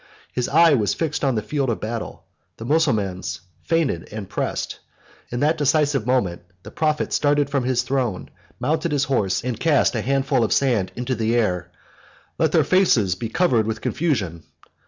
His eye was fixed on the field of battle: the Mussulmans fainted and were pressed: in that decisive moment the prophet started from his throne, mounted his horse, and cast a handful of sand into the air: "Let their faces be covered with confusion."